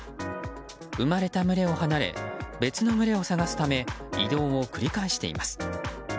生まれた群れを離れ別の群れを探すため移動を繰り返しています。